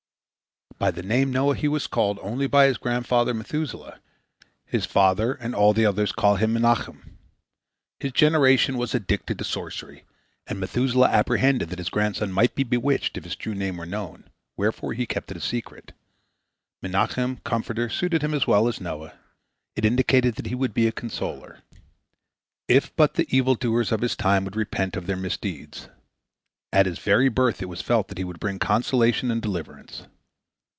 By the name Noah he was called only by his grandfather Methuselah; his father and all others called him Menahem. His generation was addicted to sorcery, and Methuselah apprehended that his grandson might be bewitched if his true name were known, wherefore he kept it a secret. Menahem, Comforter, suited him as well as Noah; it indicated that he would be a consoler, if but the evil doers of his time would repent of their misdeeds. At his very birth it was felt that he would bring consolation and deliverance.